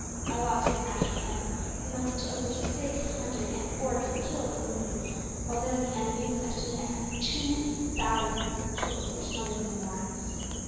Our loss was naturally heavy, amounting to over six hundred and forty killed and wounded; while that of the enemy was estimated at two thousand killed, or smothered in the morass.